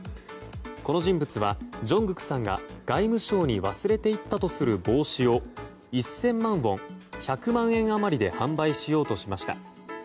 この人物は、ジョングクさんが外務省に忘れていったとする帽子を、１０００万ウォン１００万円余りで販売しようとしました。